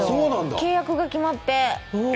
契約が決まって。